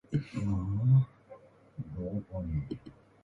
静岡県吉田町